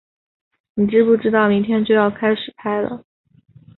你知不知道明天就要开拍了